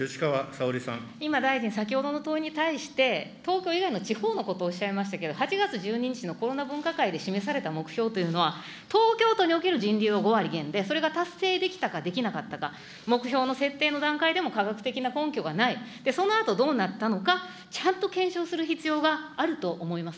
今、大臣、先ほどの問いに対して、東京以外の地方のことをおっしゃいましたけれども、８月１２日のコロナ分科会で示された目標というのは、東京都における人流の５割減で、それが達成できたか、できなかったか、目標の設定の段階でも科学的な根拠がない、そのあとどうなったのか、ちゃんと検証する必要があると思います。